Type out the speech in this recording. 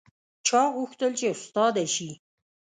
چا غوښتل چې استاده شي